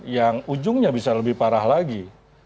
yang ujungnya bisa lebih parah lagi